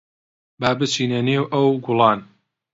با بچینە نێو ئەو گوڵان.